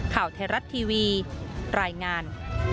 ข่าวไทยรัฐทีวีรายงาน